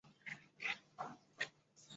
日本昭和天皇宣布终战诏书。